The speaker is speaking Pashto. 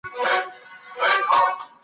تول او ترازو سم وساتئ.